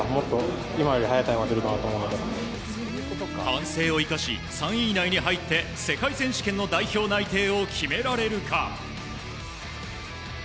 反省を生かし３位以内に入って世界選手権の代表内定を決められるか。